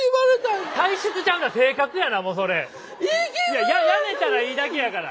いややめたらいいだけやから。